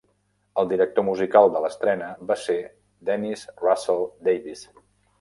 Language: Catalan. El director musical de l'estrena va ser Dennis Russell Davies.